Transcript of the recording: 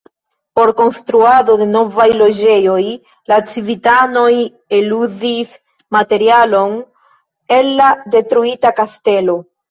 Por konstruado de novaj loĝejoj la civitanoj eluzis materialon el la detruita kastelo.